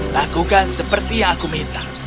lakukan seperti yang aku minta